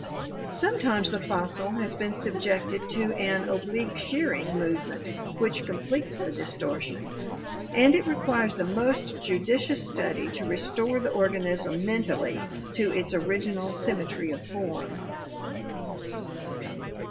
Sometimes the fossil has been subjected to an oblique shearing movement which completes the distortion, and it requires the most judicious study to restore the organism mentally to its original symmetry of form.